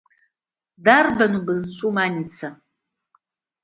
Дарбан бызҿу, Минца?